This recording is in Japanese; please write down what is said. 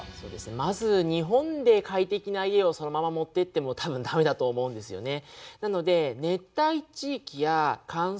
まず日本で快適な家をそのまま持っていってもたぶんダメだと思うんですよね。